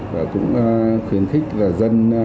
và cũng khuyến khích là dân